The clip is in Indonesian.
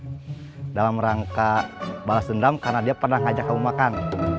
saya dalam rangka balas dendam karena dia pernah ngajak kamu makan